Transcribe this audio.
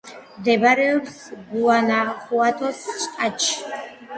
მდებარეობს გუანახუატოს შტატში.